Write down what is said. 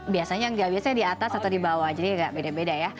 biasanya yang gak biasanya di atas atau di bawah jadi agak beda beda ya